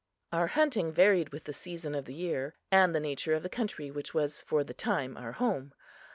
Our hunting varied with the season of the year, and the nature of the country which was for the time our home.